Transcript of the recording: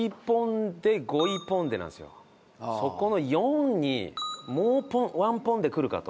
そこの４位にもうワンポン・デくるかと。